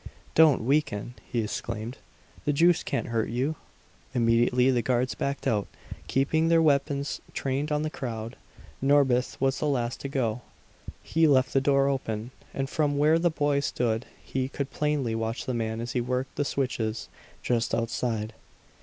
"Don't weaken!" he exclaimed. "The juice can't hurt you!" Immediately the guards backed out, keeping their weapons trained on the crowd. Norbith was the last to go. He left the door open; and from where the boy stood he could plainly watch the man as he worked the switches, just outside.